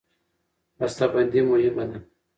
بسته بندي مهمه ده.